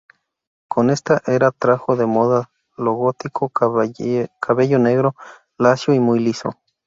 Con esta era trajo de moda lo gótico, cabello negro, lacio y muy liso.